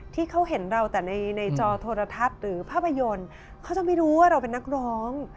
ที่เขาเห็นเราแต่ในจอโทรทัศน์หรือภาพยนตร์เขาจะไม่รู้ว่าเราเป็นนักร้อง